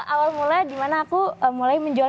awal mula dimana aku mulai menjual